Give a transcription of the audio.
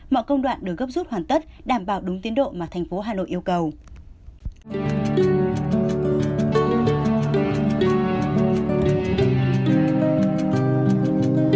mọi công đoạn được gấp rút hoàn tất đảm bảo đúng tiến độ mà thành phố hà nội yêu cầu